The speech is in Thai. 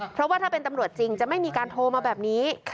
เพราะว่าถ้าเป็นตำรวจจริงจะไม่มีการโทรมาแบบนี้